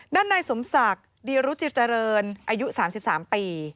ด้านในส่มศักดิรุจิตเฉริญอายุ๓๓ปี